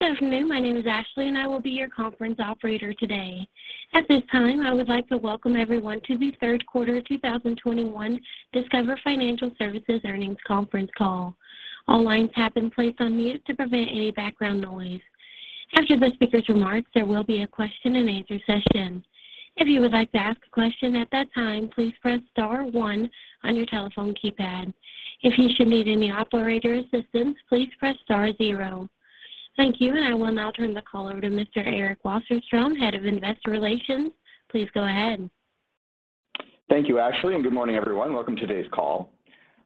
Good afternoon. My name is Ashley, and I will be your conference operator today. At this time, I would like to welcome everyone to the Third Quarter 2021 Discover Financial Services Earnings Conference Call. All lines have been placed on mute to prevent any background noise. After the speakers' remarks, there will be a question-and-answer session. If you would like to ask a question at that time, please press star one on your telephone keypad. If you should need any operator assistance, please press star zero. Thank you, and I will now turn the call over to Mr. Eric Wasserstrom, Head of Investor Relations. Please go ahead. Thank you, Ashley, and good morning, everyone. Welcome to today's call.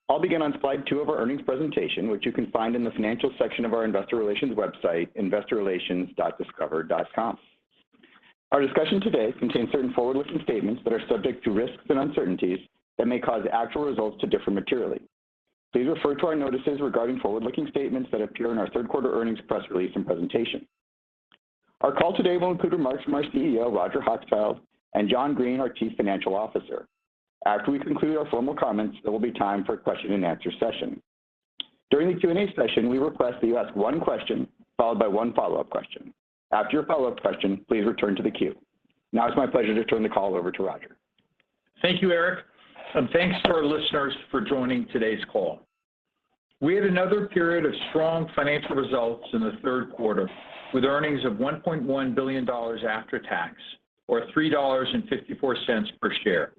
I'll begin on slide two of our earnings presentation, which you can find in the financial section of our investor relations website, investorrelations.discover.com. Our discussion today contains certain forward-looking statements that are subject to risks and uncertainties that may cause actual results to differ materially. Please refer to our notices regarding forward-looking statements that appear in our third quarter earnings press release and presentation. Our call today will include remarks from our CEO, Roger Hochschild, and John Greene, our Chief Financial Officer. After we conclude our formal comments, there will be time for a question-and-answer session. During the Q&A session, we request that you ask one question followed by one follow-up question. After your follow-up question, please return to the queue. Now it's my pleasure to turn the call over to Roger. Thank you, Eric, and thanks to our listeners for joining today's call. We had another period of strong financial results in the third quarter with earnings of $1.1 billion after tax, or $3.54 per share.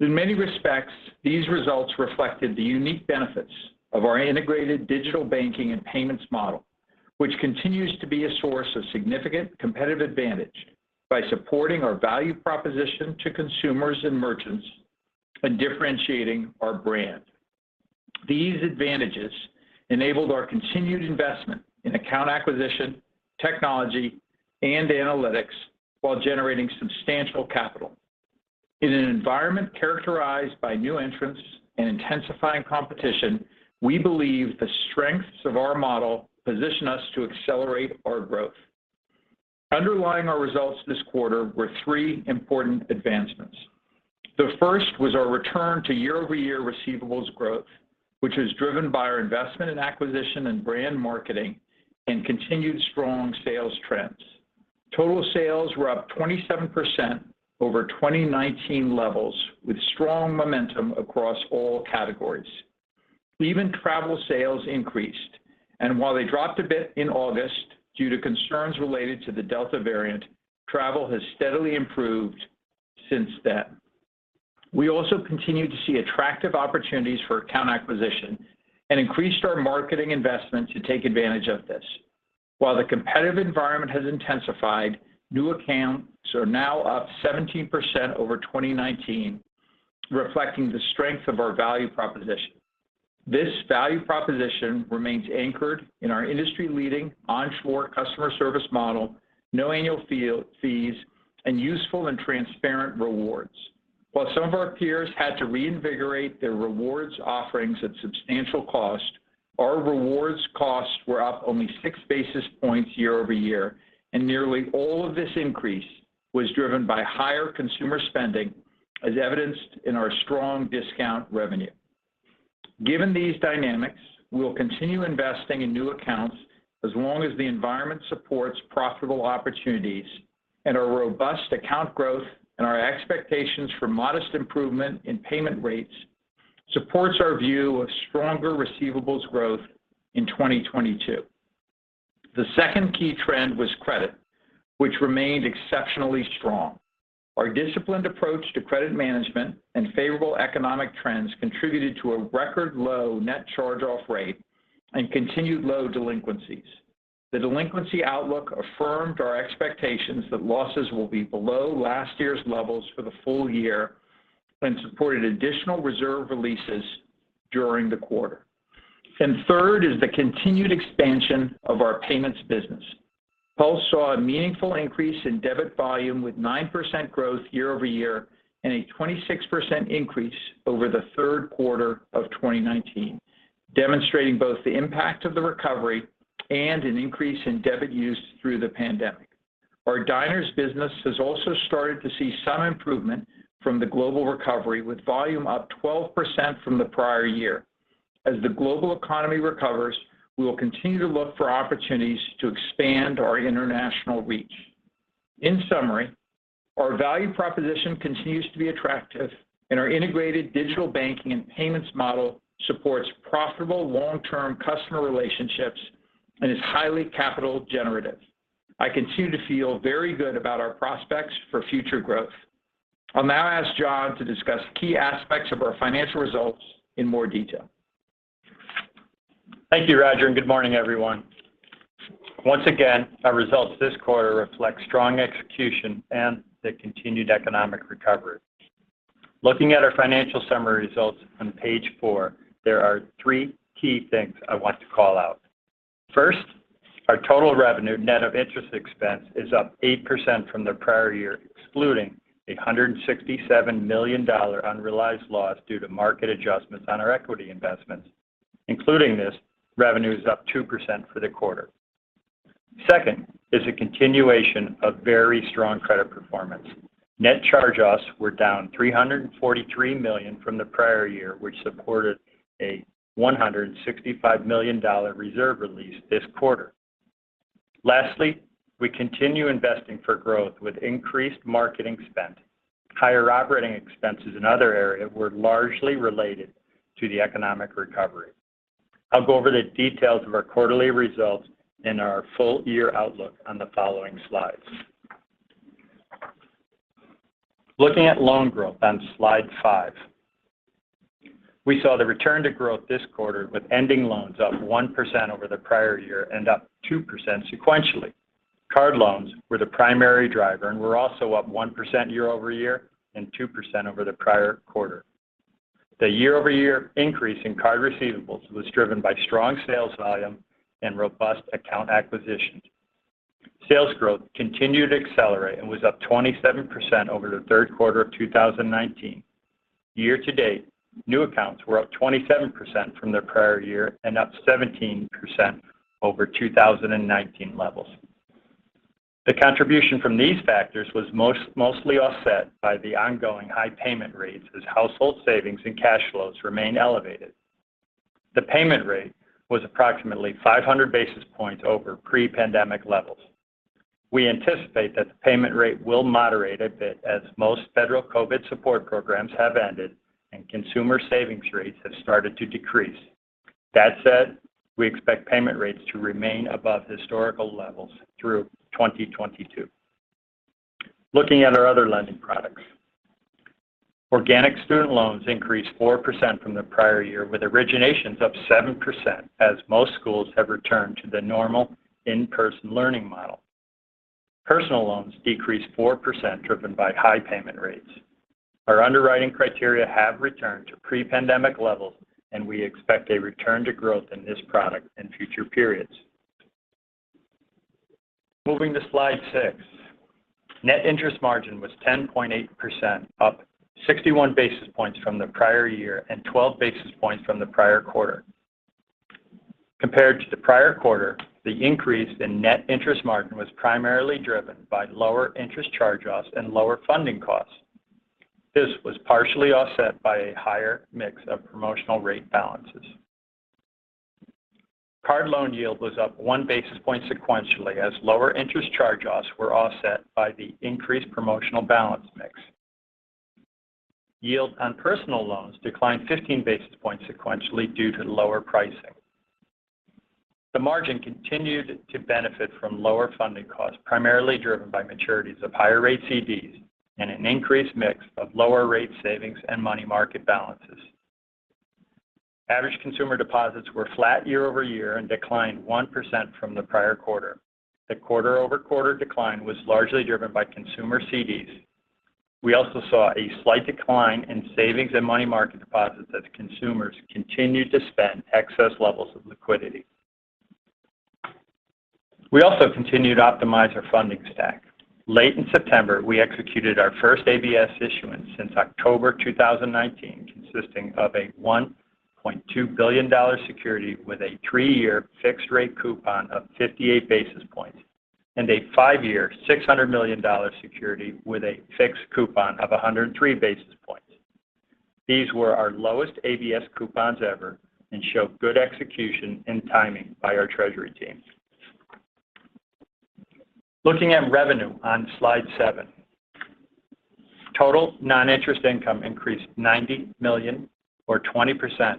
In many respects, these results reflected the unique benefits of our integrated digital banking and payments model, which continues to be a source of significant competitive advantage by supporting our value proposition to consumers and merchants and differentiating our brand. These advantages enabled our continued investment in account acquisition, technology, and analytics while generating substantial capital. In an environment characterized by new entrants and intensifying competition, we believe the strengths of our model position us to accelerate our growth. Underlying our results this quarter were three important advancements. The first was our return to year-over-year receivables growth, which is driven by our investment in acquisition and brand marketing and continued strong sales trends. Total sales were up 27% over 2019 levels, with strong momentum across all categories. Even travel sales increased, and while they dropped a bit in August due to concerns related to the Delta variant, travel has steadily improved since then. We also continue to see attractive opportunities for account acquisition and increased our marketing investment to take advantage of this. While the competitive environment has intensified, new accounts are now up 17% over 2019, reflecting the strength of our value proposition. This value proposition remains anchored in our industry-leading onshore customer service model, no annual fees, and useful and transparent rewards. While some of our peers had to reinvigorate their rewards offerings at substantial cost, our rewards costs were up only six basis points year-over-year, and nearly all of this increase was driven by higher consumer spending, as evidenced in our strong discount revenue. Given these dynamics, we will continue investing in new accounts as long as the environment supports profitable opportunities, and our robust account growth and our expectations for modest improvement in payment rates support our view of stronger receivables growth in 2022. The second key trend was credit, which remained exceptionally strong. Our disciplined approach to credit management and favorable economic trends contributed to a record low net charge-off rate and continued low delinquencies. The delinquency outlook affirmed our expectations that losses will be below last year's levels for the full year and supported additional reserve releases during the quarter. Third is the continued expansion of our payments business. PULSE saw a meaningful increase in debit volume with 9% growth year-over-year and a 26% increase over the third quarter of 2019, demonstrating both the impact of the recovery and an increase in debit use through the pandemic. Our Diners business has also started to see some improvement from the global recovery, with volume up 12% from the prior year. As the global economy recovers, we will continue to look for opportunities to expand our international reach. In summary, our value proposition continues to be attractive, and our integrated digital banking and payments model supports profitable long-term customer relationships and is highly capital generative. I continue to feel very good about our prospects for future growth. I'll now ask John to discuss key aspects of our financial results in more detail. Thank you, Roger, good morning, everyone. Once again, our results this quarter reflect strong execution and the continued economic recovery. Looking at our financial summary results on page four, there are three key things I want to call out. First, our total revenue net of interest expense is up 8% from the prior year, excluding a $167 million unrealized loss due to market adjustments on our equity investments. Including this, revenue is up 2% for the quarter. Second is a continuation of very strong credit performance. Net charge-offs were down $343 million from the prior year, which supported a $165 million reserve release this quarter. Lastly, we continue investing for growth with increased marketing spend. Higher operating expenses in other areas were largely related to the economic recovery. I'll go over the details of our quarterly results and our full year outlook on the following slides. Looking at loan growth on slide five, we saw the return to growth this quarter, with ending loans up 1% over the prior year and up 2% sequentially. Card loans were the primary driver and were also up 1% year-over-year and 2% over the prior quarter. The year-over-year increase in card receivables was driven by strong sales volume and robust account acquisitions. Sales growth continued to accelerate and was up 27% over the third quarter of 2019. Year-to-date, new accounts were up 27% from the prior year and up 17% over 2019 levels. The contribution from these factors was mostly offset by the ongoing high payment rates as household savings and cash flows remain elevated. The payment rate was approximately 500 basis points over pre-pandemic levels. We anticipate that the payment rate will moderate a bit as most federal COVID support programs have ended and consumer savings rates have started to decrease. That said, we expect payment rates to remain above historical levels through 2022. Looking at our other lending products. Organic student loans increased 4% from the prior year, with originations up 7% as most schools have returned to the normal in-person learning model. Personal loans decreased 4%, driven by high payment rates. Our underwriting criteria have returned to pre-pandemic levels. We expect a return to growth in this product in future periods. Moving to slide six. Net interest margin was 10.8%, up 61 basis points from the prior year and 12 basis points from the prior quarter. Compared to the prior quarter, the increase in net interest margin was primarily driven by lower interest charge-offs and lower funding costs. This was partially offset by a higher mix of promotional rate balances. Card loan yield was up one basis point sequentially as lower interest charge-offs were offset by the increased promotional balance mix. Yield on personal loans declined 15 basis points sequentially due to lower pricing. The margin continued to benefit from lower funding costs, primarily driven by maturities of higher-rate CDs and an increased mix of lower-rate savings and money market balances. Average consumer deposits were flat year-over-year and declined 1% from the prior quarter. The quarter-over-quarter decline was largely driven by consumer CDs. We also saw a slight decline in savings and money market deposits as consumers continued to spend excess levels of liquidity. We also continued to optimize our funding stack. Late in September, we executed our first ABS issuance since October 2019, consisting of a $1.2 billion security with a three-year fixed-rate coupon of 58 basis points and a five-year, $600 million security with a fixed coupon of 103 basis points. These were our lowest ABS coupons ever and show good execution and timing by our treasury team. Looking at revenue on slide seven. Total non-interest income increased $90 million or 20%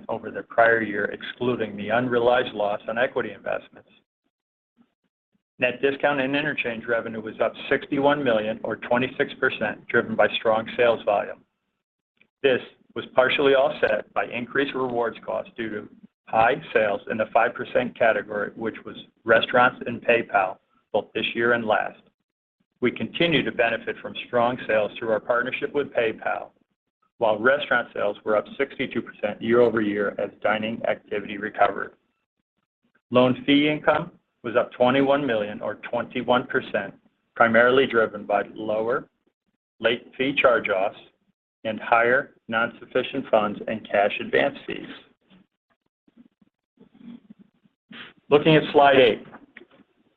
over the prior year, excluding the unrealized loss on equity investments. Net discount and interchange revenue were up $61 million, or 26%, driven by strong sales volume. This was partially offset by increased rewards costs due to high sales in the 5% category, which was restaurants and PayPal, both this year and last. We continue to benefit from strong sales through our partnership with PayPal, while restaurant sales were up 62% year-over-year as dining activity recovered. Loan fee income was up $21 million, or 21%, primarily driven by lower late fee charge-offs and higher non-sufficient funds and cash advance fees. Looking at slide eight.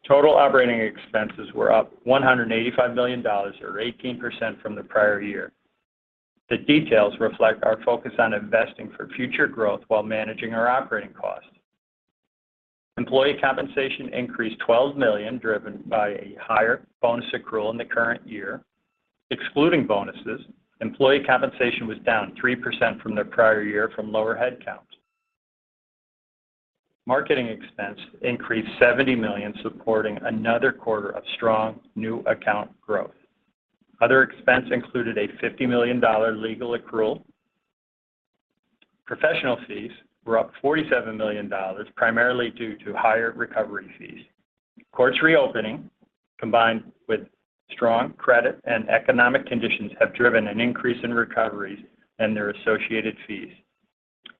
Total operating expenses were up $185 million or 18% from the prior year. The details reflect our focus on investing for future growth while managing our operating costs. Employee compensation increased $12 million, driven by a higher bonus accrual in the current year. Excluding bonuses, employee compensation was down 3% from the prior year from lower headcounts. Marketing expense increased $70 million, supporting another quarter of strong new account growth. Other expenses included a $50 million legal accrual. Professional fees were up $47 million, primarily due to higher recovery fees. Courts reopening, combined with strong credit and economic conditions, have driven an increase in recoveries and their associated fees.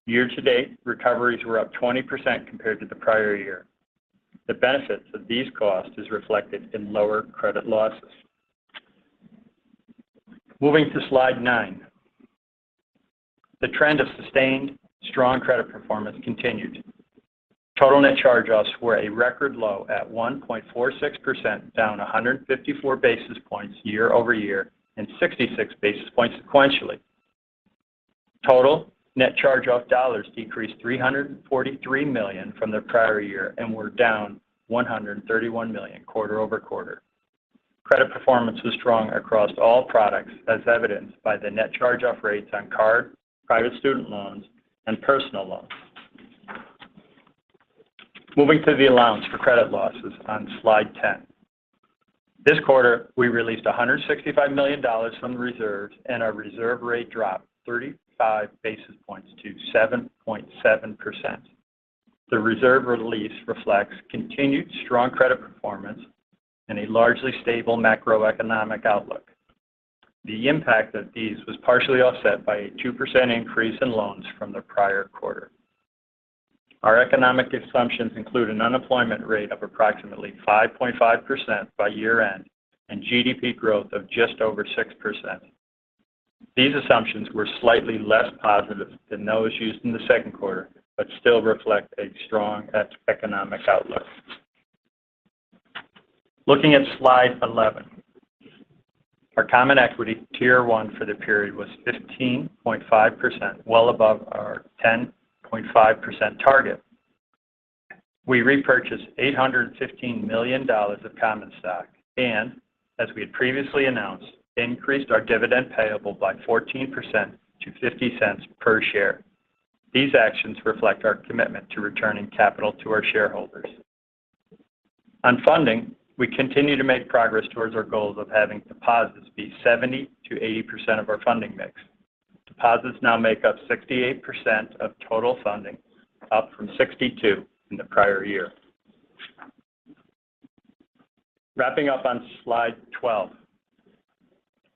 Year-to-date, recoveries were up 20% compared to the prior year. The benefits of these costs are reflected in lower credit losses. Moving to slide nine. The trend of sustained strong credit performance continued. Total net charge-offs were a record low at 1.46%, down 154 basis points year-over-year and 66 basis points sequentially. Total net charge-off dollars decreased $343 million from their prior year and were down $131 million quarter-over-quarter. Credit performance was strong across all products, as evidenced by the net charge-off rates on cards, private student loans, and personal loans. Moving to the allowance for credit losses on slide 10. This quarter, we released $165 million from the reserves, and our reserve rate dropped 35 basis points to 7.7%. The reserve release reflects continued strong credit performance and a largely stable macroeconomic outlook. The impact of these was partially offset by a 2% increase in loans from the prior quarter. Our economic assumptions include an unemployment rate of approximately 5.5% by year-end and GDP growth of just over 6%. These assumptions were slightly less positive than those used in the second quarter but still reflect a strong economic outlook. Looking at slide 11. Our Common Equity Tier 1 for the period was 15.5%, well above our 10.5% target. We repurchased $815 million of common stock and, as we had previously announced, increased our dividend payable by 14% to $0.50 per share. These actions reflect our commitment to returning capital to our shareholders. On funding, we continue to make progress towards our goals of having deposits be 70%-80% of our funding mix. Deposits now make up 68% of total funding, up from 62% in the prior year. Wrapping up on slide 12.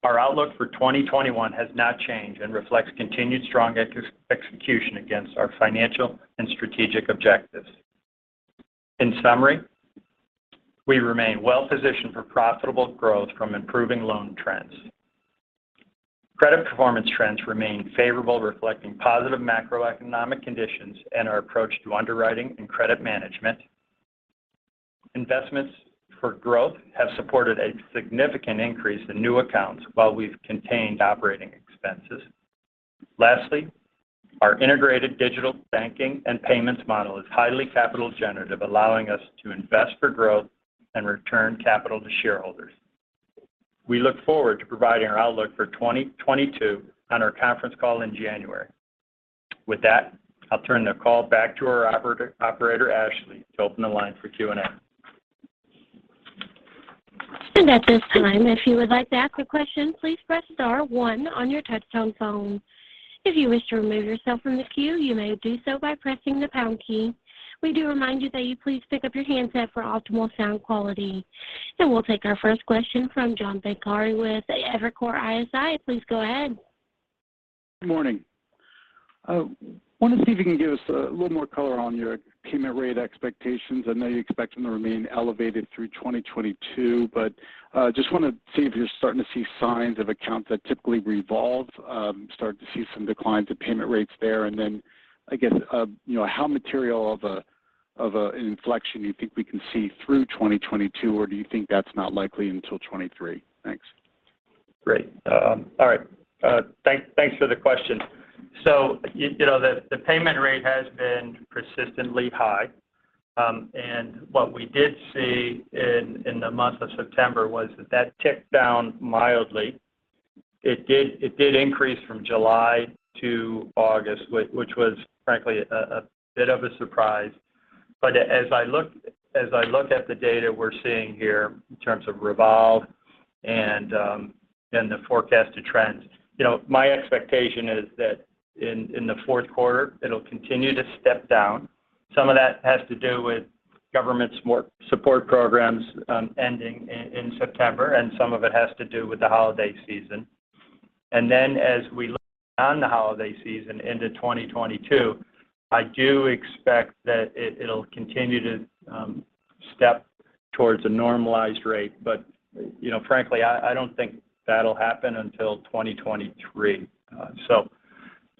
Our outlook for 2021 has not changed and reflects continued strong execution against our financial and strategic objectives. In summary, we remain well-positioned for profitable growth from improving loan trends. Credit performance trends remain favorable, reflecting positive macroeconomic conditions and our approach to underwriting and credit management. Investments for growth have supported a significant increase in new accounts while we've contained operating expenses. Lastly, our integrated digital banking and payments model is highly capital generative, allowing us to invest for growth and return capital to shareholders. We look forward to providing our outlook for 2022 on our conference call in January. With that, I'll turn the call back to our operator, Ashley, to open the line for Q&A. At this time, if you would like to ask a question, please press star one on your touch-tone phone. If you wish to remove yourself from the queue, you may do so by pressing the pound key. We do remind you to please pick up your handset for optimal sound quality. We'll take our first question from John Pancari with Evercore ISI. Please go ahead. Good morning. I wanted to see if you can give us a little more color on your payment rate expectations. I know you expect them to remain elevated through 2022. Just want to see if you're starting to see signs of accounts that typically revolve, starting to see some declines in payment rates there. Again, how material of an inflection do you think we can see through 2022, or do you think that's not likely until 2023? Thanks. Great. All right. Thanks for the question. The payment rate has been persistently high. What we did see in the month of September was that that ticked down mildly. It did increase from July to August, which was frankly a bit of a surprise. As I look at the data we're seeing here in terms of revolve and the forecasted trends, my expectation is that in the fourth quarter, it'll continue to step down. Some of that has to do with government support programs ending in September, and some of it has to do with the holiday season. As we look beyond the holiday season into 2022, I do expect that it'll continue to step towards a normalized rate. Frankly, I don't think that'll happen until 2023.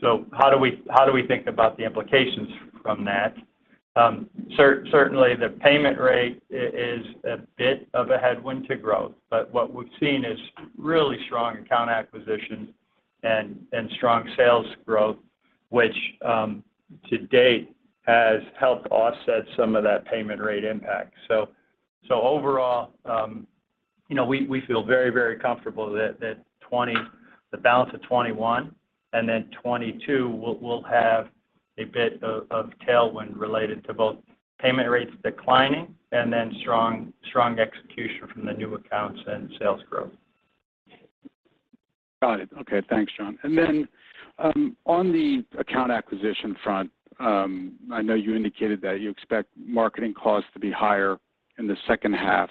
How do we think about the implications from that? Certainly, the payment rate is a bit of a headwind to growth. What we've seen is really strong account acquisition and strong sales growth, which to date has helped offset some of that payment rate impact. Overall, we feel very, very comfortable that the balance of 2021 and then 2022 will have a bit of tailwind related to both payment rates declining and then strong execution from the new accounts and sales growth. Got it. Okay. Thanks, John. On the account acquisition front, I know you indicated that you expect marketing costs to be higher in the second half.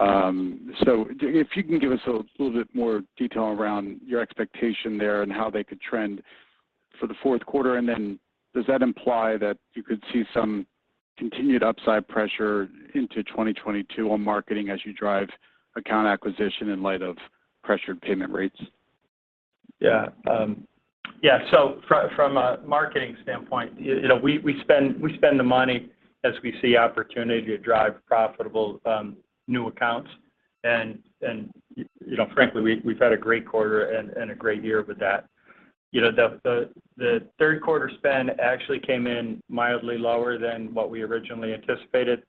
If you can give us a little bit more detail around your expectation there and how they could trend for the fourth quarter, then does that imply that you could see some continued upside pressure into 2022 on marketing as you drive account acquisition in light of pressured payment rates? From a marketing standpoint, we spend the money as we see an opportunity to drive profitable new accounts. Frankly, we've had a great quarter and a great year with that. The third quarter spend actually came in mildly lower than what we originally anticipated.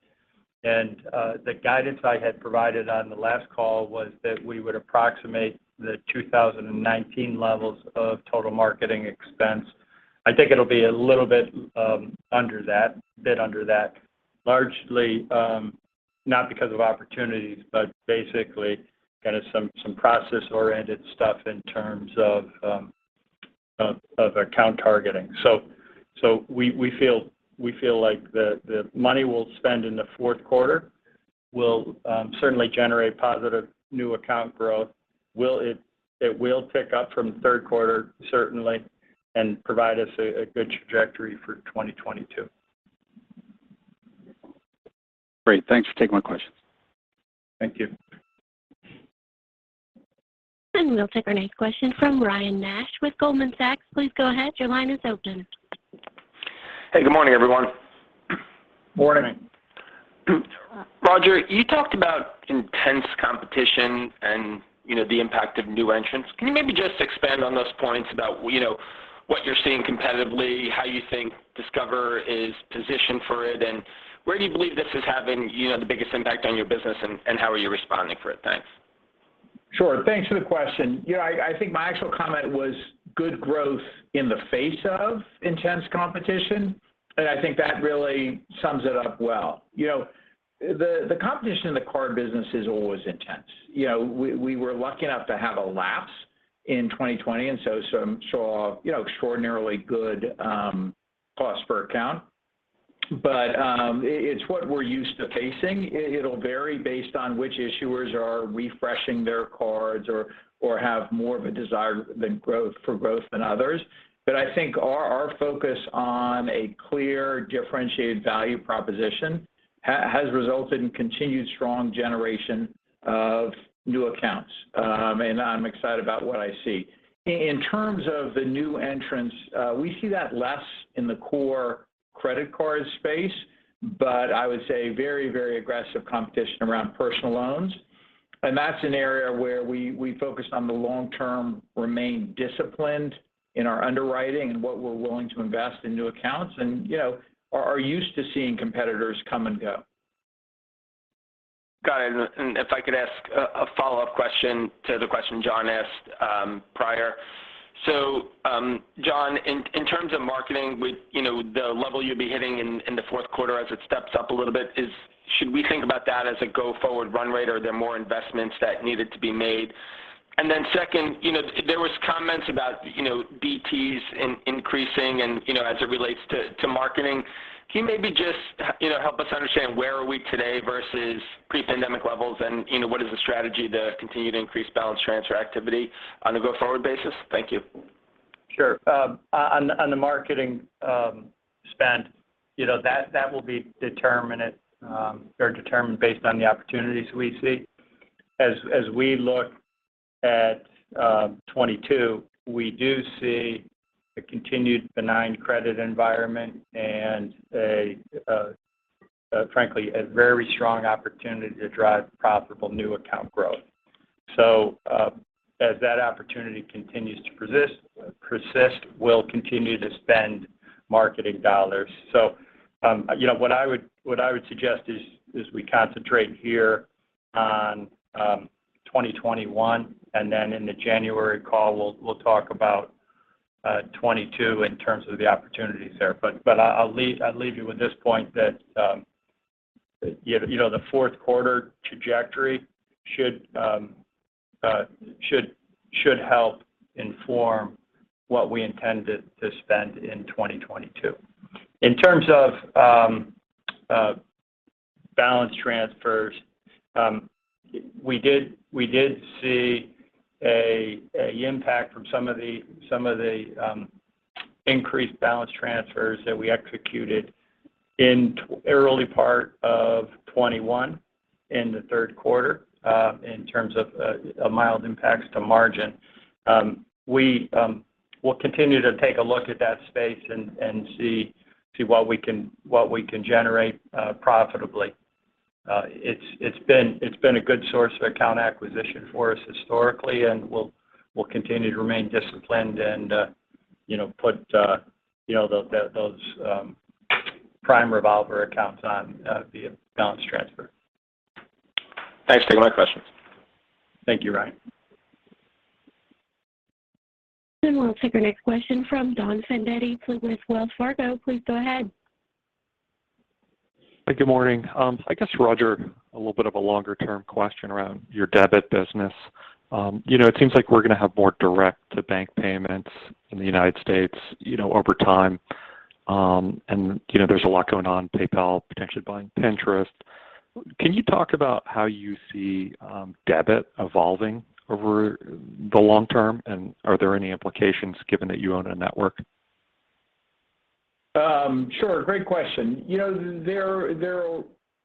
The guidance I had provided on the last call was that we would approximate the 2019 levels of total marketing expense. I think it'll be a little bit under that. Largely, not because of opportunities, but basically kind of some process-oriented stuff in terms of account targeting. We feel like the money we'll spend in the fourth quarter will certainly generate positive new account growth. It will pick up from the third quarter, certainly, and provide us a good trajectory for 2022. Great. Thanks for taking my question. Thank you. We'll take our next question from Ryan Nash with Goldman Sachs. Please go ahead. Your line is open. Hey, good morning, everyone. Morning. Roger, you talked about intense competition and the impact of new entrants. Can you maybe just expand on those points about what you're seeing competitively, how you think Discover is positioned for it, and where do you believe this is having the biggest impact on your business, and how are you responding to it? Thanks. Sure. Thanks for the question. I think my actual comment was good growth in the face of intense competition. I think that really sums it up well. The competition in the card business is always intense. We were lucky enough to have a lapse in 2020. Saw extraordinarily good cost per account. It's what we're used to facing. It'll vary based on which issuers are refreshing their cards or have more of a desire for growth than others. I think our focus on a clear, differentiated value proposition has resulted in continued strong generation of new accounts. I'm excited about what I see. In terms of the new entrants, we see that less in the core credit card space. I would say very aggressive competition around personal loans. That's an area where we focus on the long term, remain disciplined in our underwriting and what we're willing to invest in new accounts, and are used to seeing competitors come and go. Got it. If I could, I'd ask a follow-up question to the question John asked prior. John, in terms of marketing with the level you'll be hitting in the fourth quarter as it steps up a little bit, should we think about that as a go-forward run rate, or are there more investments that need to be made? Then second, there were comments about BTs increasing as it relates to marketing. Can you maybe just help us understand where we are today versus pre-pandemic levels? What is the strategy to continue to increase balance transfer activity on a go-forward basis? Thank you. Sure. On the marketing spend, that will be determined based on the opportunities we see. As we look at 2022, we do see a continued benign credit environment and, frankly, a very strong opportunity to drive profitable new account growth. As that opportunity continues to persist, we'll continue to spend marketing dollars. What I would suggest is we concentrate here on 2021, and then in the January call, we'll talk about 2022 in terms of the opportunities there. I'll leave you with this point that the fourth quarter trajectory should help inform what we intend to spend in 2022. In terms of balance transfers, we did see an impact from some of the increased balance transfers that we executed in the early part of 2021, in the third quarter, in terms of mild impacts to margin. We'll continue to take a look at that space and see what we can generate profitably. It's been a good source of account acquisition for us historically, and we'll continue to remain disciplined and put those prime revolver accounts on the balance transfer. Thanks. Taking my questions. Thank you, Ryan. We'll take our next question from Donald Fandetti with Wells Fargo. Please go ahead. Good morning. I guess, Roger, a little bit of a longer-term question around your debit business. It seems like we're going to have more direct-to-bank payments in the U.S. over time. There's a lot going on: PayPal potentially buying Pinterest. Can you talk about how you see debit evolving over the long term? Are there any implications given that you own a network? Sure. Great question. There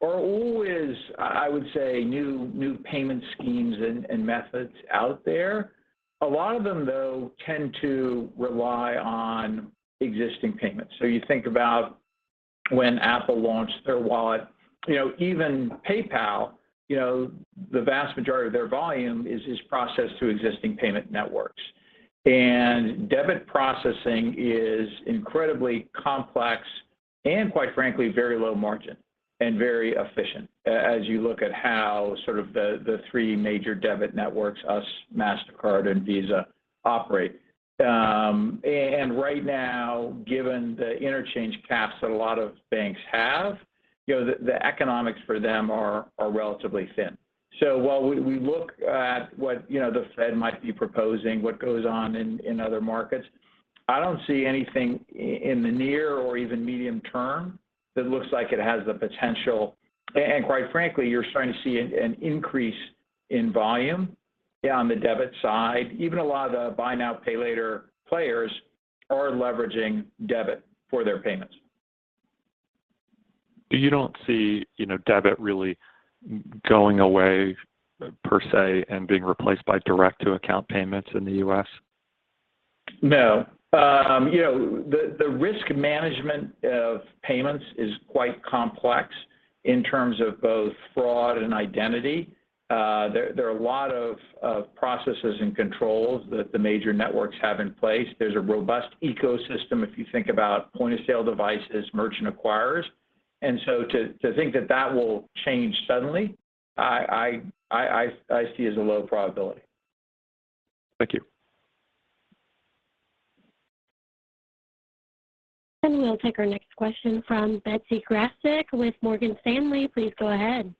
are always, I would say, new payment schemes and methods out there. A lot of them, though, tend to rely on existing payments. You think about when Apple launched their wallet. Even with PayPal, the vast majority of their volume is processed through existing payment networks. Debit processing is incredibly complex and, quite frankly, very low margin and very efficient as you look at how the three major debit networks, us, Mastercard, and Visa, operate. Right now, given the interchange caps that a lot of banks have, the economics for them are relatively thin. While we look at what the Fed might be proposing and what goes on in other markets, I don't see anything in the near or even medium term that looks like it has the potential. Quite frankly, you're starting to see an increase in volume on the debit side. Even a lot of the buy now, pay later players are leveraging debit for their payments. You don't see debit really going away per se and being replaced by direct-to-account payments in the U.S.? No. The risk management of payments is quite complex in terms of both fraud and identity. There are a lot of processes and controls that the major networks have in place. There's a robust ecosystem if you think about point-of-sale devices and merchant acquirers. To think that that will change suddenly, I see as a low probability. Thank you. We'll take our next question from Betsy Graseck with Morgan Stanley. Please go ahead.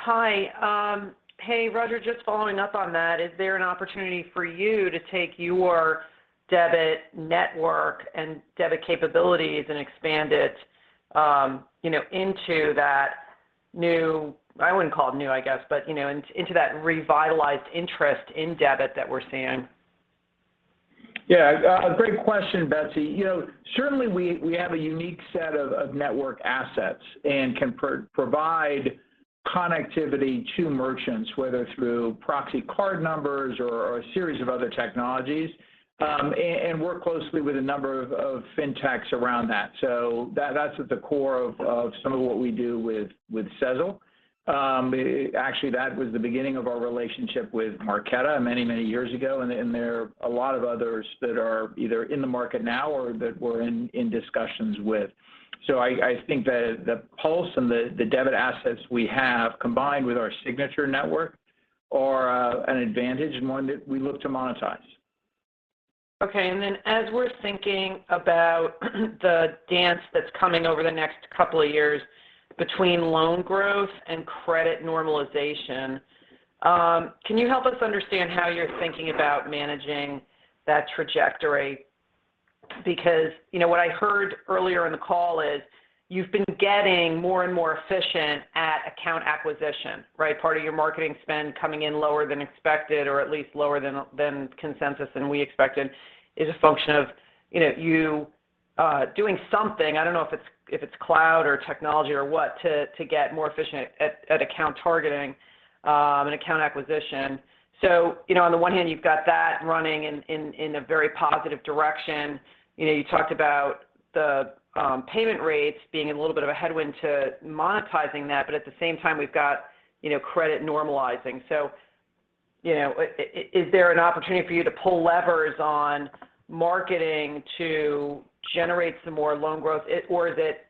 Hi. Hey, Roger, just following up on that, is there an opportunity for you to take your debit network and debit capabilities and expand them into that new—I wouldn't call it new, I guess—but into that revitalized interest in debit that we're seeing? Yeah. A great question, Betsy. Certainly, we have a unique set of network assets and can provide connectivity to merchants, whether through proxy card numbers or a series of other technologies, and work closely with a number of fintechs around that. That's at the core of some of what we do with Sezzle. Actually, that was the beginning of our relationship with Marqeta many, many years ago, and there are a lot of others that are either in the market now or that we're in discussions with. I think that the PULSE and the debit assets we have combined with our signature network are an advantage and one that we look to monetize. As we're thinking about the dance that's coming over the next couple of years between loan growth and credit normalization, can you help us understand how you're thinking about managing that trajectory? What I heard earlier in the call is you've been getting more and more efficient at account acquisition, right? Part of your marketing spend coming in lower than expected or at least lower than the consensus that we expected is a function of you doing something, I don't know if it's cloud or technology or what, to get more efficient at account targeting and account acquisition. On the one hand, you've got that running in a very positive direction. You talked about the payment rates being a little bit of a headwind to monetizing that. At the same time, we've got credit normalizing. Is there an opportunity for you to pull levers on marketing to generate some more loan growth, or is it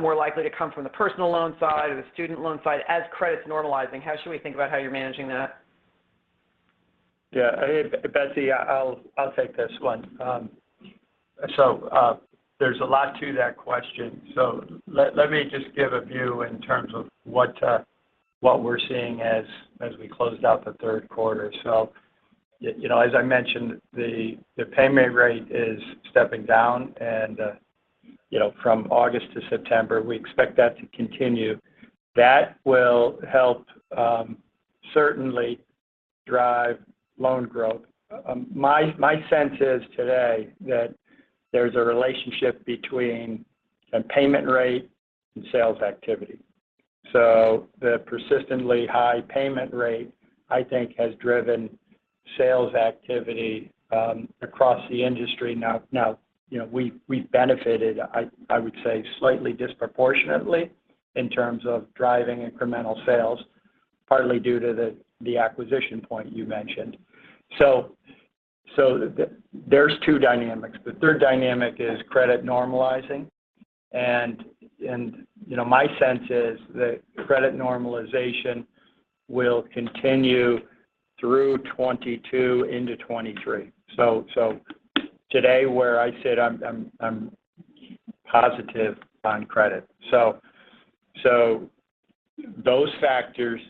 more likely to come from the personal loan side or the student loan side as credit's normalizing? How should we think about how you're managing that? Yeah. Betsy, I'll take this one. There's a lot to that question. Let me just give a view in terms of what we're seeing as we closed out the third quarter. As I mentioned, the payment rate is stepping down, and from August to September, we expect that to continue. That will help certainly drive loan growth. My sense is today that there's a relationship between a payment rate and sales activity. The persistently high payment rate, I think, has driven sales activity across the industry. Now we've benefited, I would say, slightly disproportionately in terms of driving incremental sales, partly due to the acquisition point you mentioned. There are two dynamics. The third dynamic is credit normalizing. My sense is that credit normalization will continue through 2022 into 2023. Today, where I sit, I'm positive on credit. Those factors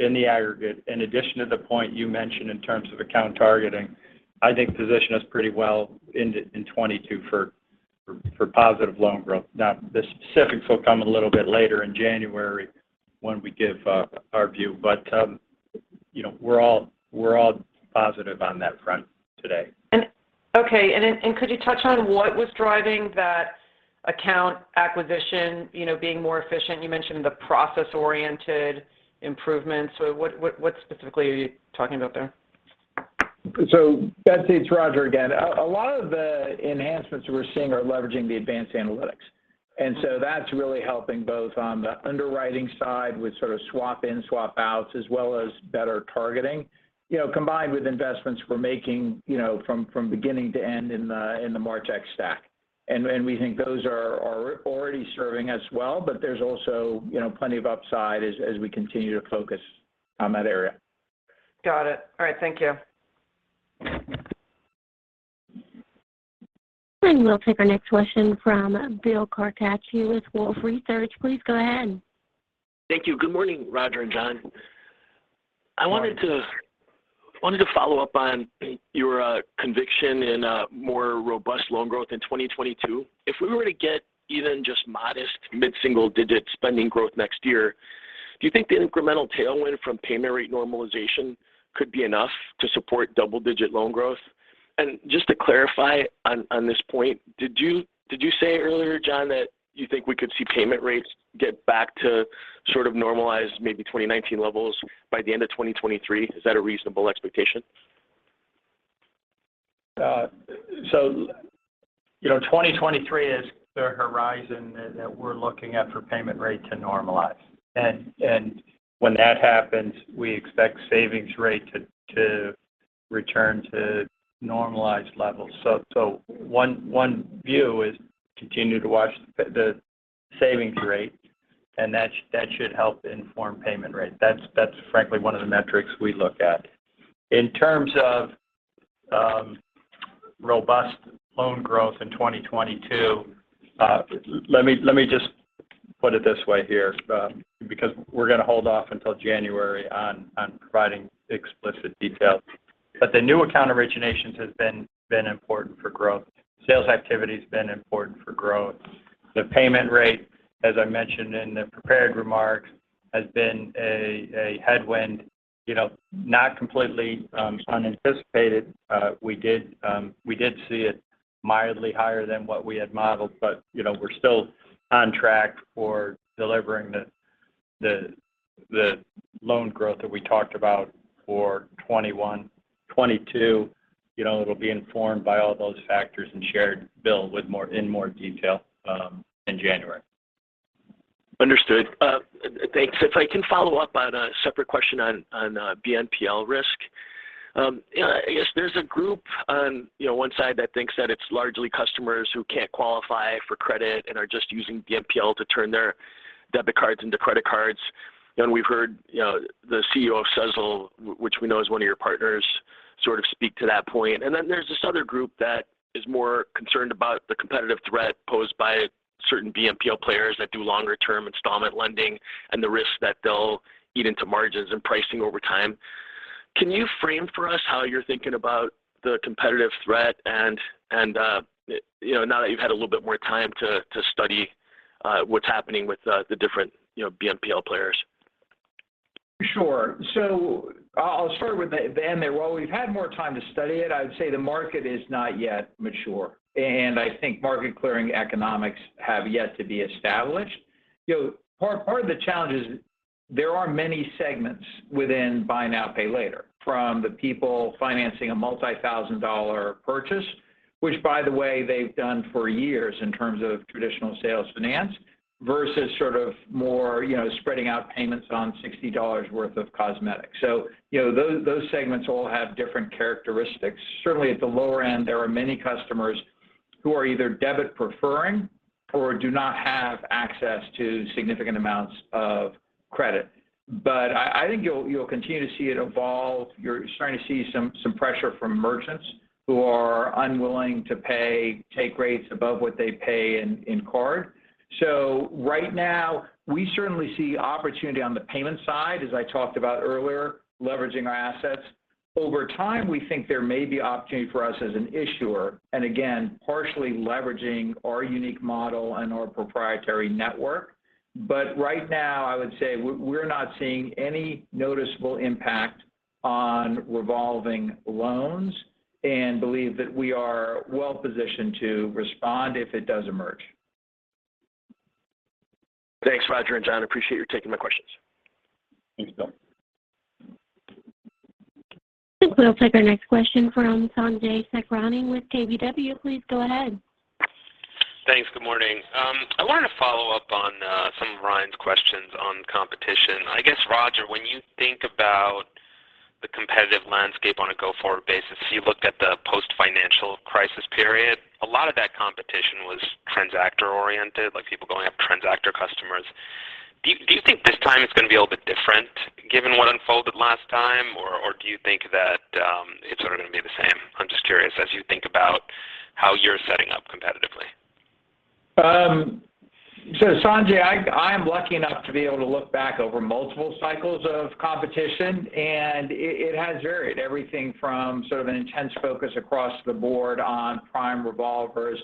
in the aggregate, in addition to the point you mentioned in terms of account targeting, I think position us pretty well in 2022 for positive loan growth. Now, the specifics will come a little bit later in January when we give our view. We're all positive on that front today. Okay. Could you touch on what was driving that account acquisition, being more efficient? You mentioned the process-oriented improvements. What specifically are you talking about there? Betsy, it's Roger again. A lot of the enhancements we're seeing are leveraging the advanced analytics. That's really helping on both the underwriting side with sort of swap-ins and swap-outs as well as better targeting. Combined with investments we're making from beginning to end in the martech stack. We think those are already serving us well, but there's also plenty of upside as we continue to focus on that area. Got it. All right, thank you. We'll take our next question from Bill Carcache with Wolfe Research. Please go ahead. Thank you. Good morning, Roger and John. Morning. I wanted to follow up on your conviction in more robust loan growth in 2022. If we were to get even just modest mid-single-digit spending growth next year, do you think the incremental tailwind from payment rate normalization could be enough to support double-digit loan growth? Just to clarify on this point, did you say earlier, John, that you think we could see payment rates get back to sort of normalized, maybe 2019 levels by the end of 2023? Is that a reasonable expectation? 2023 is the horizon that we're looking at for payment rates to normalize. When that happens, we expect the savings rate to return to normalized levels. One view is to continue to watch the savings rate, and that should help inform the payment rate. That's frankly one of the metrics we look at. In terms of robust loan growth in 2022, let me just put it this way here because we're going to hold off until January on providing explicit details. The new account originations have been important for growth. Sales activity's been important for growth. The payment rate, as I mentioned in the prepared remarks, has been a headwind, not completely unanticipated. We did see it mildly higher than what we had modeled, but we're still on track for delivering the loan growth that we talked about for 2021, 2022. It'll be informed by all those factors and shared, Bill, in more detail in January. Understood. Thanks. If I can, follow up on a separate question on BNPL risk. I guess there's a group on one side that thinks that it's largely customers who can't qualify for credit and are just using BNPL to turn their debit cards into credit cards. We've heard the CEO of Sezzle, which we know is one of your partners, sort of speak to that point. Then there's this other group that is more concerned about the competitive threat posed by certain BNPL players that do longer-term installment lending and the risk that they'll eat into margins and pricing over time. Can you frame for us how you're thinking about the competitive threat now that you've had a little bit more time to study what's happening with the different BNPL players? Sure. I'll start with the end there. While we've had more time to study it, I would say the market is not yet mature, and I think market clearing economics have yet to be established. Part of the challenge is that there are many segments within buy now, pay later. From the people financing a multi-thousand dollar purchase, which, by the way, they've done for years in terms of traditional sales finance, versus sort of spreading out payments on $60 worth of cosmetics. Those segments all have different characteristics. Certainly at the lower end, there are many customers who are either debit-preferring or do not have access to significant amounts of credit. I think you'll continue to see it evolve. You're starting to see some pressure from merchants who are unwilling to pay take rates above what they pay in cards. Right now, we certainly see opportunity on the payment side, as I talked about earlier, leveraging our assets. Over time, we think there may be opportunity for us as an issuer and, again, partially leveraging our unique model and our proprietary network. Right now, I would say we're not seeing any noticeable impact on revolving loans and believe that we are well-positioned to respond if it does emerge. Thanks, Roger and John. I appreciate you taking my questions. Thanks, Bill. I think we'll take our next question from Sanjay Sakhrani with KBW. Please go ahead. Thanks. Good morning. I wanted to follow up on some of Ryan's questions on competition. I guess, Roger, when you think about the competitive landscape on a go-forward basis, if you looked at the post-financial crisis period, a lot of that competition was transactor-oriented, like people going after transactor customers. Do you think this time it's going to be a little bit different given what unfolded last time? Or do you think that it's sort of going to be the same? I'm just curious as you think about how you're setting up competitively. Sanjay, I am lucky enough to be able to look back over multiple cycles of competition, and it has varied. Everything from sort of an intense focus across the board on prime revolvers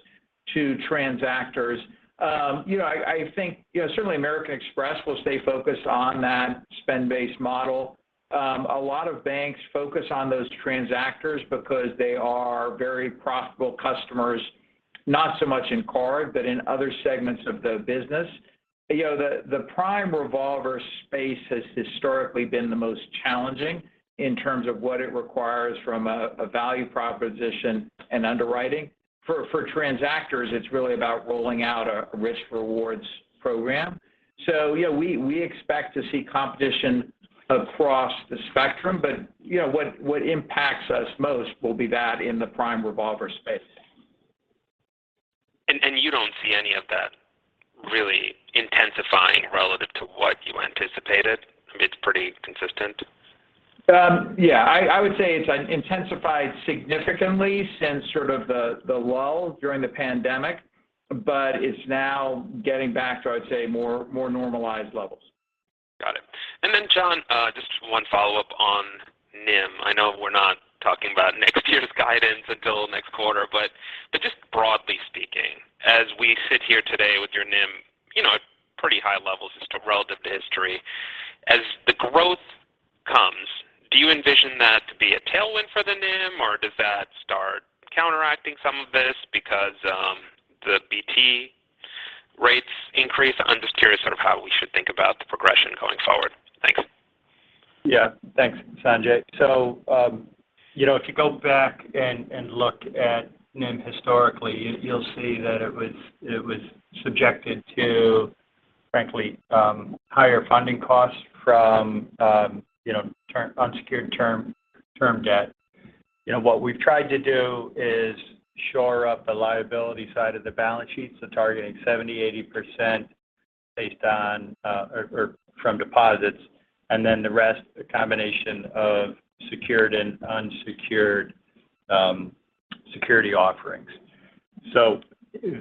to transactors. I think certainly American Express will stay focused on that spend-based model. A lot of banks focus on those transactors because they are very profitable customers, not so much in cards, but in other segments of the business. The prime revolver space has historically been the most challenging in terms of what it requires from a value proposition and underwriting. For transactors, it is really about rolling out a risk rewards program. Yeah, we expect to see competition across the spectrum, but what impacts us most will be that in the prime revolver space. You don't see any of that really intensifying relative to what you anticipated? It's pretty consistent? I would say it's intensified significantly since sort of the lull during the pandemic, but it's now getting back to, I'd say, more normalized levels. Got it. John, just one follow-up on NIM. I know we're not talking about next year's guidance until next quarter. Just broadly speaking, as we sit here today with your NIM at pretty high levels just relative to history, as the growth comes, do you envision that to be a tailwind for the NIM, or does that start counteracting some of this because the BT rates increase? I'm just curious, sort of, how we should think about the progression going forward. Thanks. Yeah. Thanks, Sanjay. If you go back and look at NIM historically, you'll see that it was subjected to, frankly, higher funding costs from unsecured term debt. What we've tried to do is shore up the liability side of the balance sheet, targeting 70%-80% from deposits and the rest a combination of secured and unsecured security offerings.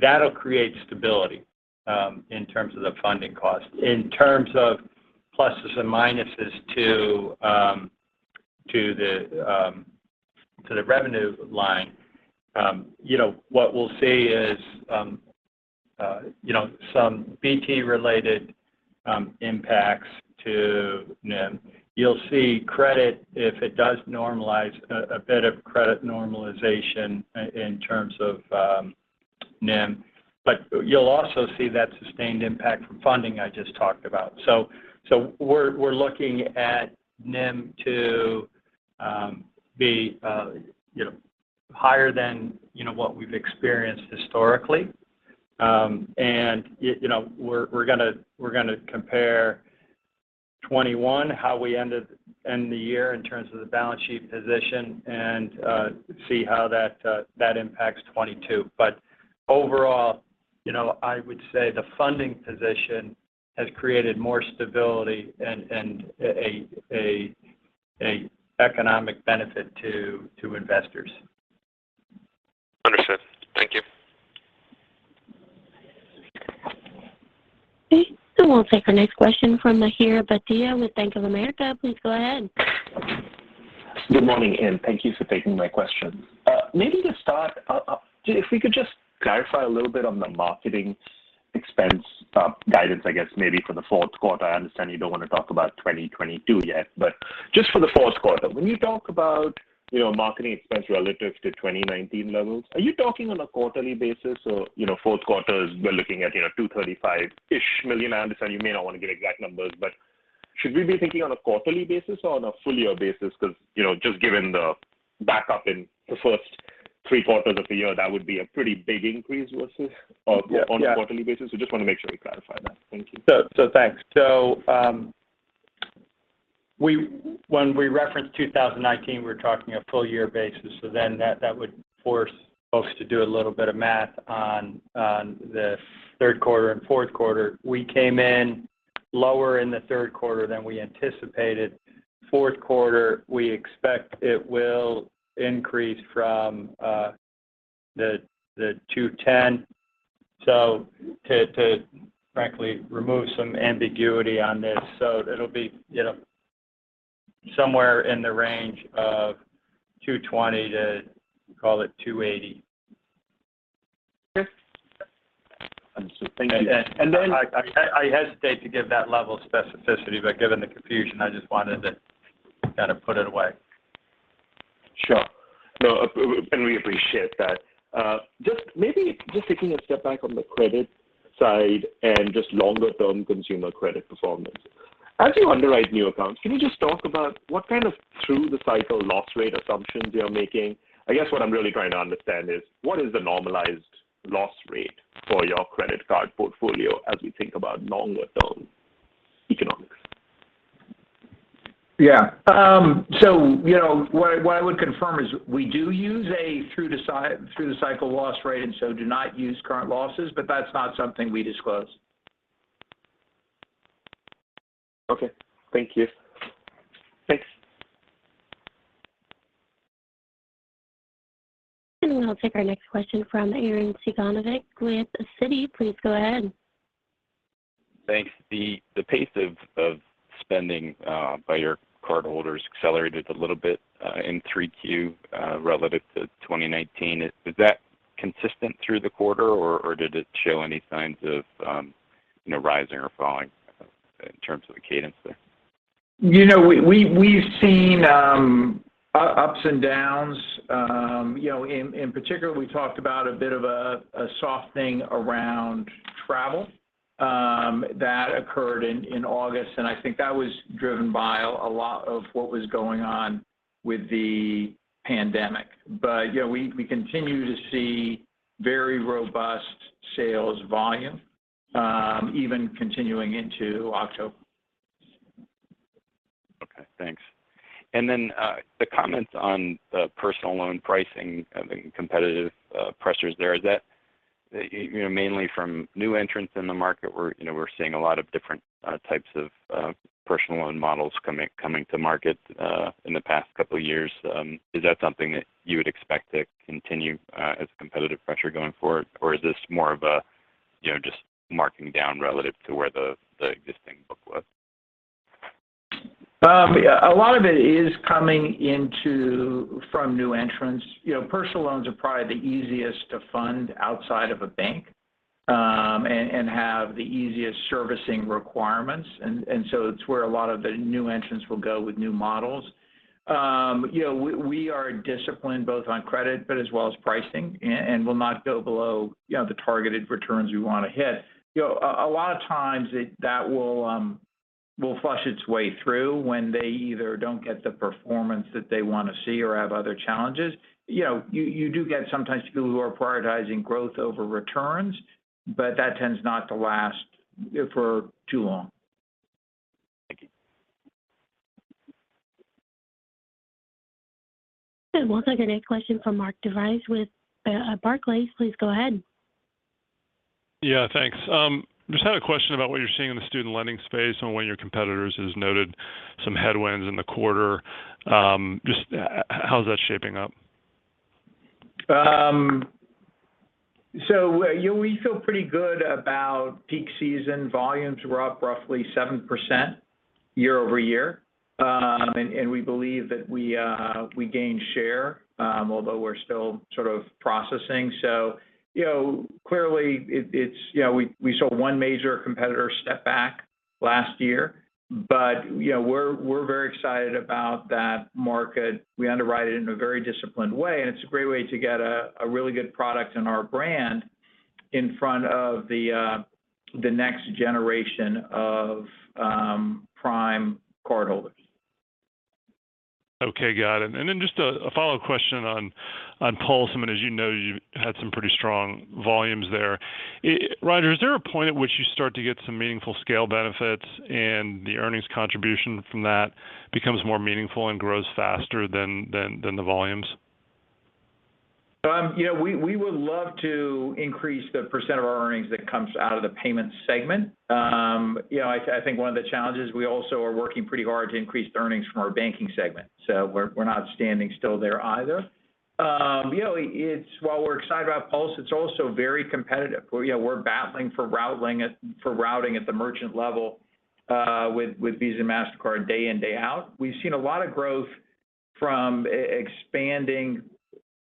That'll create stability in terms of the funding cost. In terms of pluses and minuses to the revenue line, what we'll see is some BT-related impacts to NIM. You'll see credit if it does normalize, a bit of credit normalization in terms of NIM. You'll also see that sustained impact from funding I just talked about. We're looking at NIM to be higher than what we've experienced historically. We're going to compare 2021, how we end the year in terms of the balance sheet position, and see how that impacts 2022. Overall, I would say the funding position has created more stability and an economic benefit to investors. Understood. Thank you. Okay, we'll take our next question from Mihir Bhatia with Bank of America. Please go ahead. Good morning. Thank you for taking my question. Maybe to start, if we could just clarify a little bit on the marketing expense guidance, I guess maybe for the fourth quarter. I understand you don't want to talk about 2022 yet, just for the fourth quarter. When you talk about marketing expense relative to 2019 levels, are you talking on a quarterly basis or the fourth quarter as we're looking at $235 million? I understand you may not want to give exact numbers, should we be thinking on a quarterly basis or on a full-year basis? Just given the backup in the first three quarters of the year, that would be a pretty big increase versus. Yeah on a quarterly basis. We just want to make sure we clarify that. Thank you. Thanks. When we referenced 2019, we were talking on a full-year basis, which would force folks to do a little bit of math on the third quarter and fourth quarter. We came in lower in the third quarter than we anticipated. Fourth quarter, we expect it will increase from the $210. To frankly remove some ambiguity on this, it'll be somewhere in the range of $220 to, call it, $280. Okay. Understood. Thank you. I hesitate to give that level of specificity, but given the confusion, I just wanted to kind of put it away. Sure. No, we appreciate that. Maybe just taking a step back on the credit side and just longer-term consumer credit performance. As you underwrite new accounts, can you just talk about what kind of through-the-cycle loss rate assumptions you are making? I guess what I'm really trying to understand is what is the normalized loss rate for your credit card portfolio as we think about longer-term economics? Yeah. What I would confirm is we do use a through-the-cycle loss rate and so do not use current losses, but that's not something we disclose. Okay. Thank you. Thanks. We'll take our next question from Arren Cyganovich with Citi. Please go ahead. Thanks. The pace of spending by your cardholders accelerated a little bit in Q3 relative to 2019. Is that consistent through the quarter, or did it show any signs of rising or falling in terms of the cadence there? We've seen ups and downs. In particular, we talked about a bit of a soft thing around travel that occurred in August, I think that was driven by a lot of what was going on with the pandemic. We continue to see very robust sales volume even continuing into October. Okay, thanks. The comments on the personal loan pricing and competitive pressures there. Is that mainly from new entrants in the market? We're seeing a lot of different types of personal loan models coming to market in the past couple of years. Is that something that you would expect to continue as competitive pressure going forward, or is this more of a just marking down relative to where the existing book was? A lot of it is coming from new entrants. Personal loans are probably the easiest to fund outside of a bank and have the easiest servicing requirements. It's where a lot of the new entrants will go with new models. We are disciplined both on credit and as well as pricing and will not go below the targeted returns we want to hit. A lot of times that will flush its way through when they either don't get the performance that they want to see or have other challenges. You do get sometimes people who are prioritizing growth over returns, but that tends not to last for too long. Thank you. We'll take our next question from Mark DeVries with Barclays. Please go ahead. Yeah. Thanks. Just had a question about what you're seeing in the student lending space, and one of your competitors has noted some headwinds in the quarter. Just how is that shaping up? We feel pretty good about peak season. Volumes were up roughly 7% year-over-year. We believe that we gained share, although we're still sort of processing. Clearly, we saw one major competitor step back last year, but we're very excited about that market. We underwrite it in a very disciplined way, and it's a great way to get a really good product and our brand in front of the next generation of prime cardholders. Okay, got it. Just a follow-up question on PULSE. I mean, as you know, you've had some pretty strong volumes there. Roger, is there a point at which you start to get some meaningful scale benefits and the earnings contribution from that becomes more meaningful and grows faster than the volumes? We would love to increase the percentage of our earnings that comes out of the payments segment. I think one of the challenges is we are also working pretty hard to increase earnings from our banking segment. We're not standing still there either. While we're excited about PULSE, it's also very competitive. We're battling for routing at the merchant level with Visa and Mastercard day in, day out. We've seen a lot of growth from expanding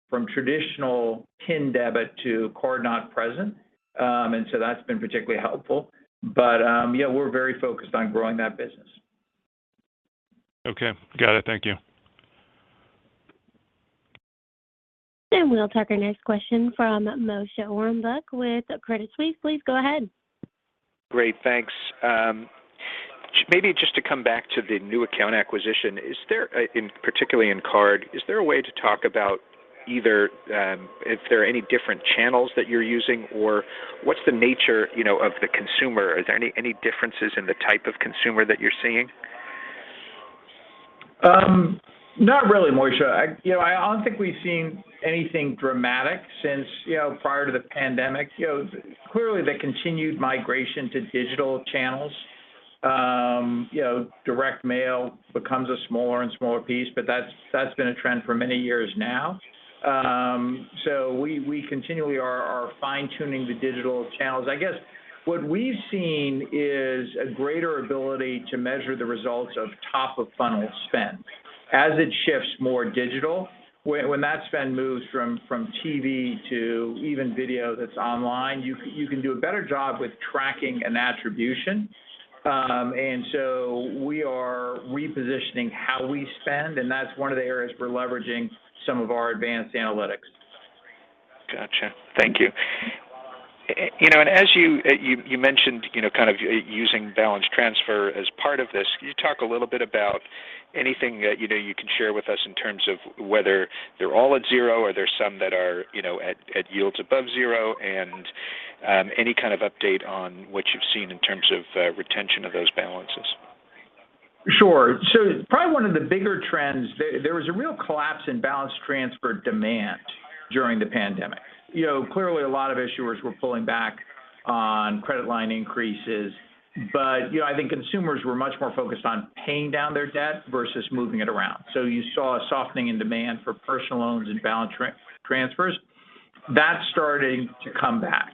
from traditional PIN debit to card-not-present. That's been particularly helpful, but we're very focused on growing that business. Okay. Got it. Thank you. We'll take our next question from Moshe Orenbuch with Credit Suisse. Please go ahead. Great. Thanks. Maybe just to come back to the new account acquisition, particularly in card, is there a way to talk about either if there are any different channels that you're using or what the nature of the consumer is? Are there any differences in the type of consumer that you're seeing? Not really, Moshe. I don't think we've seen anything dramatic since prior to the pandemic. Clearly, the continued migration to digital channels. Direct mail becomes a smaller and smaller piece, but that's been a trend for many years now. We continually are fine-tuning the digital channels. I guess what we've seen is a greater ability to measure the results of top-of-funnel spend. As it shifts more digital, when that spend moves from TV to even video that's online, you can do a better job with tracking and attribution. We are repositioning how we spend, and that's one of the areas we're leveraging some of our advanced analytics. Got you. Thank you. As you mentioned kind of using balance transfer as part of this, can you talk a little bit about anything that you can share with us in terms of whether they're all at zero or there are some that are at yields above zero and any kind of update on what you've seen in terms of retention of those balances? Sure. Probably one of the bigger trends, there was a real collapse in balance-transfer demand. During the pandemic. Clearly, a lot of issuers were pulling back on credit line increases. I think consumers were much more focused on paying down their debt versus moving it around. You saw a softening in demand for personal loans and balance transfers. That's starting to come back.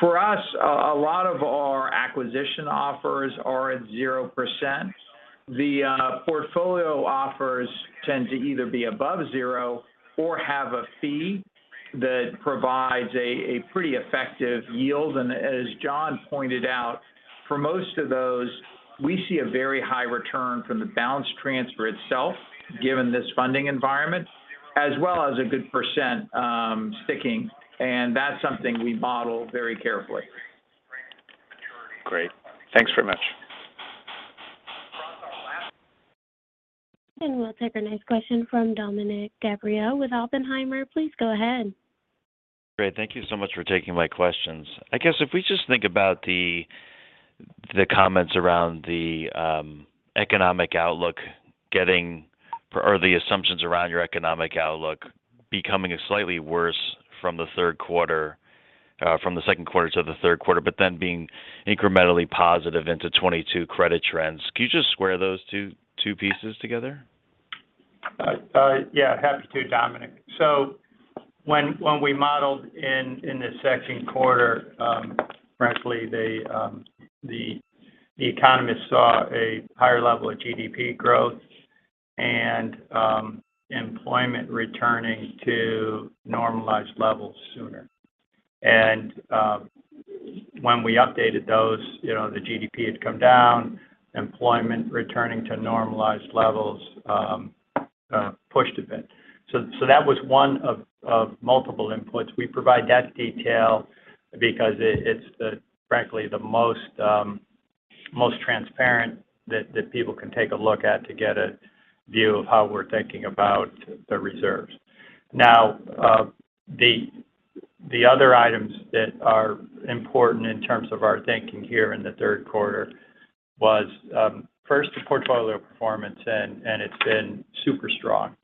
For us, a lot of our acquisition offers are at 0%. The portfolio offers tend to either be above zero or have a fee that provides a pretty effective yield. As John pointed out, for most of those, we see a very high return from the balance transfer itself, given this funding environment, as well as a good percent sticking. That's something we model very carefully. Great. Thanks very much. We'll take our next question from Dominick Gabriele with Oppenheimer. Please go ahead. Great. Thank you so much for taking my questions. I guess if we just think about the comments around the economic outlook or the assumptions around your economic outlook becoming slightly worse from the second quarter to the third quarter but then being incrementally positive into 2022 credit trends. Can you just square those two pieces together? Yeah. Happy to, Dominick. When we modeled in the second quarter, frankly, the economists saw a higher level of GDP growth and employment returning to normalized levels sooner. When we updated those, the GDP had come down, employment returning to normalized levels pushed a bit. That was one of multiple inputs. We provide that detail because it's frankly the most transparent that people can take a look at to get a view of how we're thinking about the reserves. The other item that is important in terms of our thinking here in the third quarter was, first, the portfolio performance, and it's been super strong.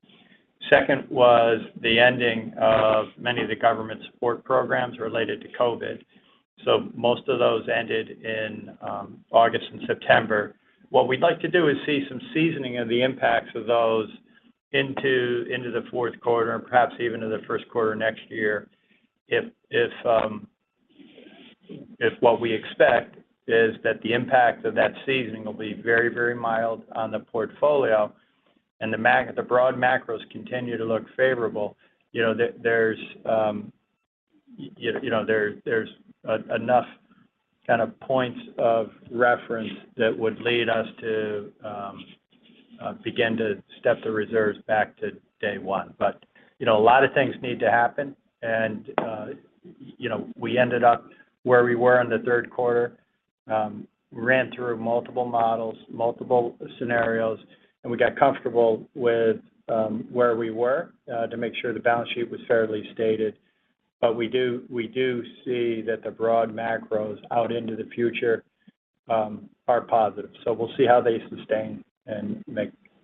Second was the ending of many of the government support programs related to COVID. Most of those ended in August and September. What we'd like to do is see some seasoning of the impacts of those into the fourth quarter and perhaps even into the first quarter next year. If what we expect is that the impact of that seasoning will be very mild on the portfolio and the broad macros continue to look favorable, there are enough points of reference that would lead us to begin to step the reserves back to day one. A lot of things need to happen, and we ended up where we were in the third quarter. Ran through multiple models and multiple scenarios, and we got comfortable with where we were to make sure the balance sheet was fairly stated. We do see that the broad macros into the future are positive. We'll see how they sustain and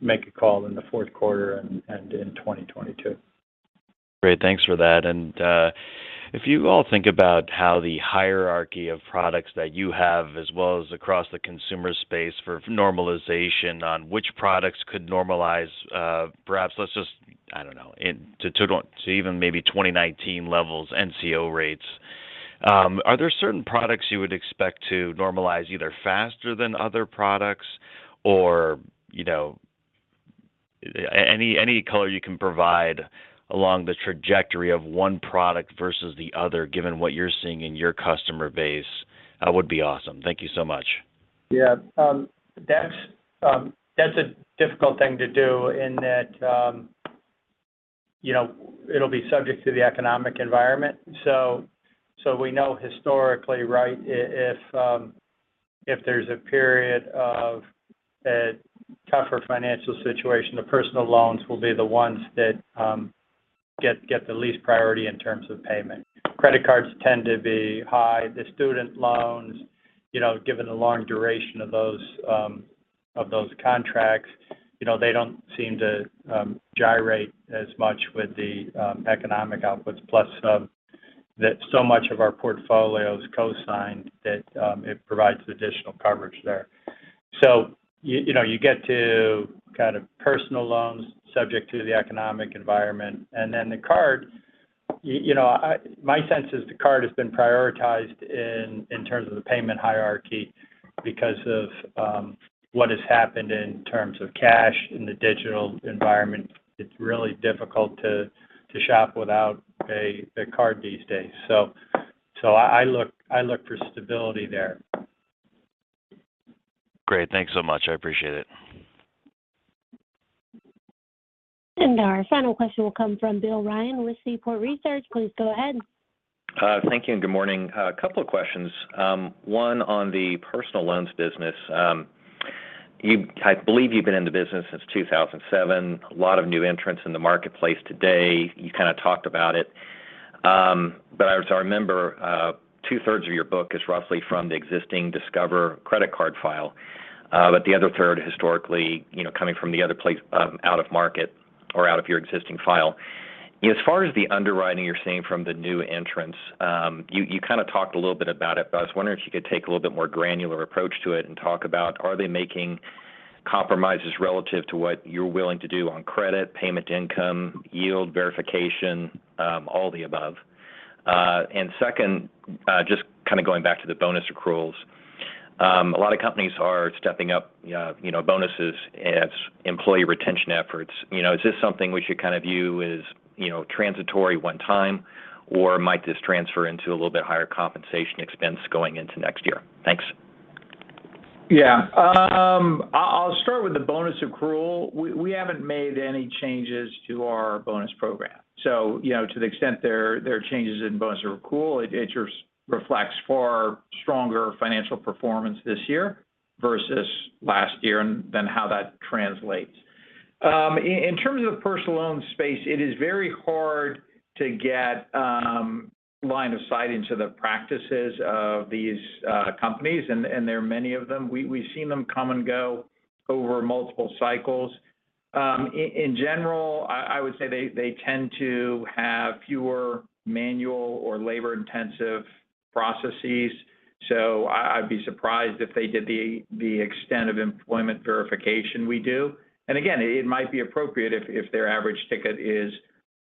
make a call in the fourth quarter and in 2022. Great, thanks for that. If you all think about the hierarchy of products that you have, as well as across the consumer space for normalization on which products could normalize, perhaps let's just, I don't know, even maybe get to 2019 levels, NCO rates. Are there certain products you would expect to normalize either faster than other products or any color you can provide along the trajectory of one product versus the other, given what you're seeing in your customer base, that would be awesome. Thank you so much. That's a difficult thing to do in that it'll be subject to the economic environment. We know historically, right, if there's a period of a tougher financial situation, the personal loans will be the ones that get the least priority in terms of payment. Credit cards tend to be high. The student loans, given the long duration of those contracts, don't seem to gyrate as much with the economic outputs. So much of our portfolio is co-signed that it provides additional coverage there. You get to personal loans subject to the economic environment. The card, in my sense, has been prioritized in terms of the payment hierarchy because of what has happened in terms of cash in the digital environment. It's really difficult to shop without a card these days. I look for stability there. Great. Thanks so much. I appreciate it. Our final question will come from Bill Ryan with Seaport Research. Please go ahead. Thank you. Good morning. A couple of questions. One on the personal loans business. I believe you've been in the business since 2007. A lot of new entrants in the marketplace today. You kind of talked about it. As I remember, two-thirds of your book is roughly from the existing Discover credit card file. The other third historically comes from the other place, out of the market or out of your existing file. As far as the underwriting you're seeing from the new entrants, you kind of talked a little bit about it, but I was wondering if you could take a little bit more granular approach to it and talk about whether they're making compromises relative to what you're willing to do on credit, payment income, yield verification, or all the above. Second, just going back to the bonus accruals. A lot of companies are stepping up bonuses as employee retention efforts. Is this something we should view as transitory one time, or might this transfer into a little bit higher compensation expense going into next year? Thanks. Yeah. I'll start with the bonus accrual. We haven't made any changes to our bonus program. To the extent there are changes in bonus accrual, it just reflects far stronger financial performance this year versus last year, and then how that translates. In terms of personal loan space, it is very hard to get line of sight into the practices of these companies, and there are many of them. We've seen them come and go over multiple cycles. In general, I would say they tend to have fewer manual or labor-intensive processes. I'd be surprised if they did the extent of employment verification that we do. It might be appropriate if their average ticket is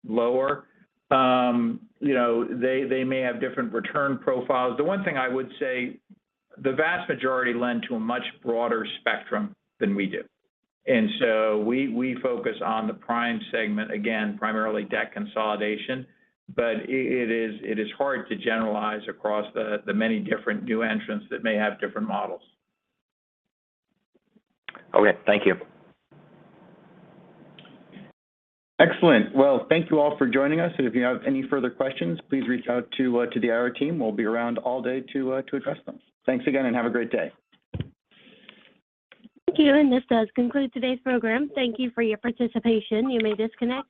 lower. They may have different return profiles. The one thing I would say is the vast majority lend to a much broader spectrum than we do. We focus on the prime segment, again, primarily debt consolidation. It is hard to generalize across the many different new entrants that may have different models. Okay. Thank you. Excellent. Well, thank you all for joining us, and if you have any further questions, please reach out to the IR team. We'll be around all day to address them. Thanks again and have a great day. Thank you, this does conclude today's program. Thank you for your participation. You may disconnect.